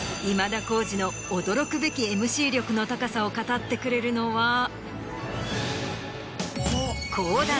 今田耕司の驚くべきＭＣ力の高さを語ってくれるのは。